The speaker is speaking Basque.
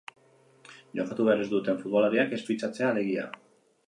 Jokatu behar ez duten futbolariak ez fitxatzea, alegia.